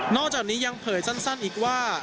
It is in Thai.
จากนี้ยังเผยสั้นอีกว่า